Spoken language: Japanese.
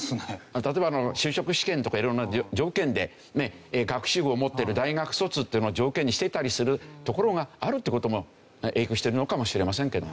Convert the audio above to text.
例えば就職試験とか色んな条件で学士号を持ってる大学卒っていうのを条件にしていたりするところがあるっていう事も影響してるのかもしれませんけどね。